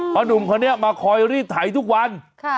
เพราะหนุ่มคนนี้มาคอยรีดไถทุกวัน